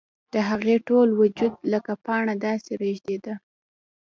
د هغې ټول وجود لکه پاڼه داسې رېږدېده